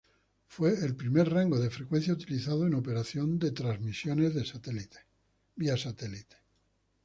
Fue el primer rango de frecuencia utilizado en operación transmisiones satelitales.